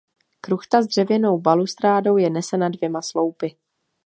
Kruchta s dřevěnou balustrádou je nesena dvěma sloupy.